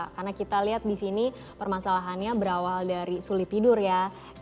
karena kita lihat di sini permasalahannya berawal dari sulit tidur ya